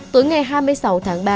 tối ngày hai mươi sáu tháng ba